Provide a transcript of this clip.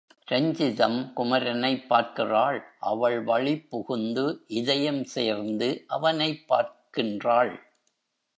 ரஞ்சிதம் குமரனைப் பார்க்கிறாள், அவள் வழிப்புகுந்து, இதயம் சேர்ந்து அவனைப் பார்க்கின்றாள்.